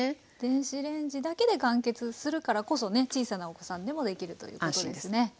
電子レンジだけで完結するからこそね小さなお子さんでもできるということですね。